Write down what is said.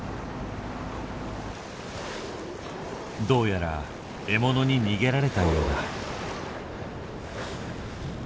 どうやら獲物に逃げられたようだ。